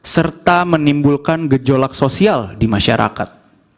serta menimbulkan gejolak sosial di masyarakat